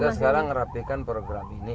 kita sekarang ngerapihkan program ini